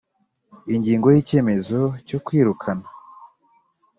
Ingingo yicyemezo cyo kwirukana